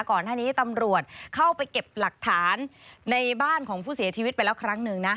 ก่อนหน้านี้ตำรวจเข้าไปเก็บหลักฐานในบ้านของผู้เสียชีวิตไปแล้วครั้งหนึ่งนะ